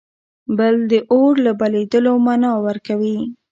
بل د اور له بلېدلو مانا ورکوي.